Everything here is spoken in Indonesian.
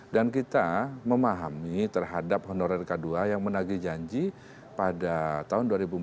dan kita memahami terhadap honorer k dua yang menagih janji pada tahun dua ribu empat belas